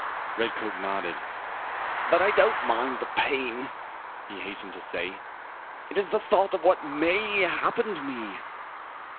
Redcoat nodded. "But I don't mind the pain," he hastened to say. "It is the thought of what MAY happen to me."